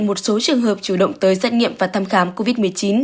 một số trường hợp chủ động tới xét nghiệm và thăm khám covid một mươi chín